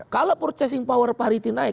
kalau purchasing power parity naik